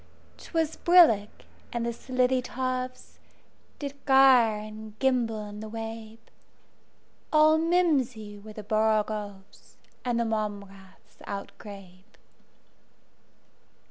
'T was brillig, and the slithy tovesDid gyre and gimble in the wabe; All mimsy were the borogoves, And the mome raths outgrabe.